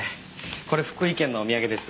これ福井県のお土産です。